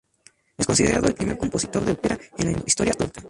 Es considerado el primer compositor de ópera en la historia turca.